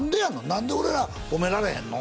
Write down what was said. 何で俺ら褒められへんの？